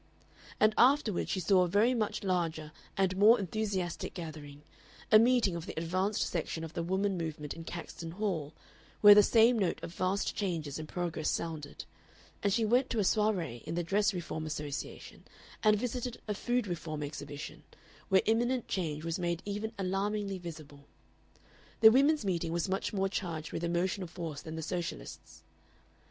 And afterward she saw a very much larger and more enthusiastic gathering, a meeting of the advanced section of the woman movement in Caxton Hall, where the same note of vast changes in progress sounded; and she went to a soiree of the Dress Reform Association and visited a Food Reform Exhibition, where imminent change was made even alarmingly visible. The women's meeting was much more charged with emotional force than the Socialists'.